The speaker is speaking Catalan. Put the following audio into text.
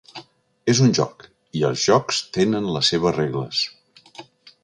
És un joc, i els jocs tenen les seves regles.